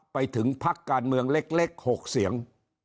ไปถึงพักการเมืองเล็ก๖เสียง